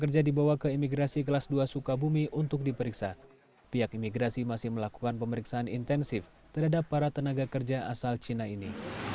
pihak imigrasi masih melakukan pemeriksaan intensif terhadap para tenaga kerja asal cina ini